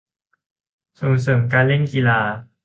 ส่งเสริมการเล่นกีฬา